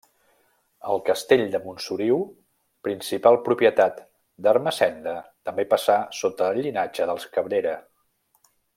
El castell de Montsoriu, principal propietat d'Ermessenda, també passa sota el llinatge dels Cabrera.